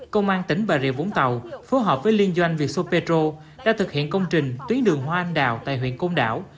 công an tỉnh bà rịa vũng tàu phối hợp với liên doanh việt xô petro đã thực hiện công trình tuyến đường hoa anh đào tại huyện côn đảo